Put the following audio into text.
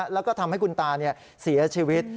แล้วก็ทำให้คุณตาเสียชีวิต